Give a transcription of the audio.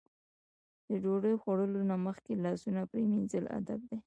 د ډوډۍ خوړلو نه مخکې لاسونه پرېمنځل ادب دی.